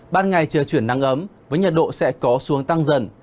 ban ngày trời chuyển nắng ấm với nhiệt độ sẽ có xu hướng tăng dần